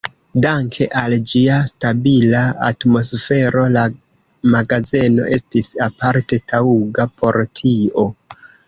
Danke al ĝia stabila atmosfero, la magazeno estis aparte taŭga por tio.